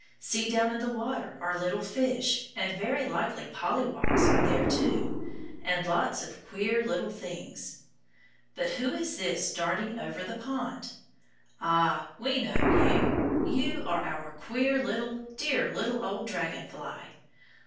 See, down in the water are little fish, and very likely pollywogs are there too, and lots of queer little things. But who is this darting over the pond? Ah, we know you. You are our queer little, dear little old dragon fly.